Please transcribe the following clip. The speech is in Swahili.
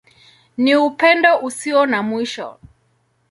Ni Upendo Usio na Mwisho.